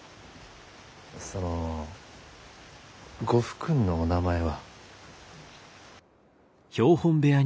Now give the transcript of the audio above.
そのご夫君のお名前は？